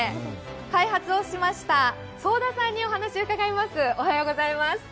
開発をしました早田さんにお話を伺います。